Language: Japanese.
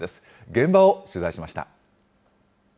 現場を取材しました。